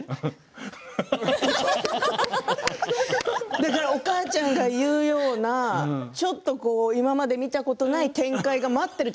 だからお母ちゃんの言うようなちょっと今まで見たことない展開が待っていると。